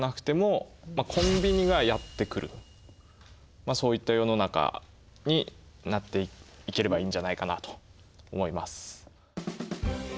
まあそういった世の中になっていければいいんじゃないかなと思います。